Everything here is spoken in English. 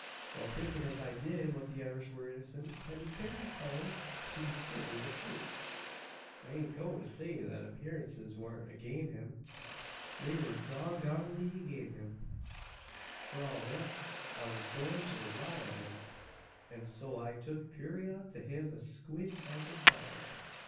"Wal; thinkin' as I did that the Irish wur innocent, I bekim detarmined to diskiver the truth. I ain't goin' to say thet appearances wan't agin him. They wur dog gonedly agin him. "For all thet, I wan't goin' to rely on them; an so I tuk purayra to hev a squint at the sign.